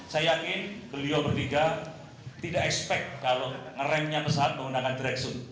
saya yakin beliau bertiga tidak ekspek kalau ngeremnya pesawat menggunakan drag suit